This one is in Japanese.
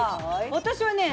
私はね